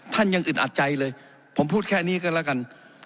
ท่านยังอึดอัดใจเลยผมพูดแค่นี้ก็แล้วกัน